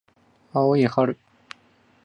青い春